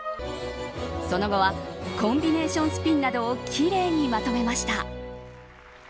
その後はコンビネーションスピンなどを奇麗にまとめました。